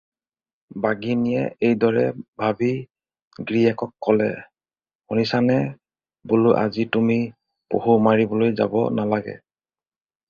বাঘিনীয়ে এইদৰে ভাবি গিৰীয়েকক ক'লে- "শুনিছানে বোলো আজি তুমি পহু মাৰিবলৈ যাব নেলাগে।"